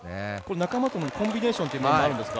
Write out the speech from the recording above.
仲間とのコンビネーションがあるんですか？